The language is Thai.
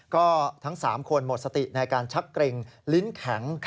ก็ทั้ง๓คนหมดสติในการชักเกร็งลิ้นแข็ง